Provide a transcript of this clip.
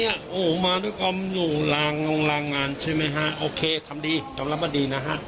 โอ้โหมาด้วยกรรมอยู่ลางงานใช่ไหมฮะโอเคทำดีทำลับมาดีนะฮะ